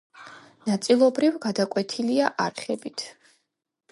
ნაწილობრივ, გადაკვეთილია არხებით.